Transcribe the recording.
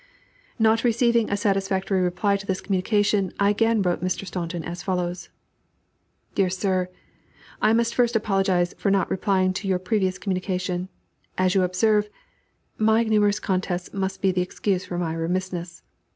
Not receiving a satisfactory reply to this communication, I again wrote Mr. Staunton as follows: "DEAR SIR, I must first apologise for not replying to your previous communication. As you observe, my numerous contests must be the excuse for my remissness.